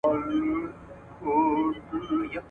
سمرقند او بخارا اکثره فارسي ژبي ويونکي دي، او بېلابېل قومونه